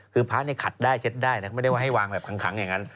คือพระเนี่ยขัดได้เช็ดได้นะไม่ได้ว่าให้วางแบบขังอย่างนั้น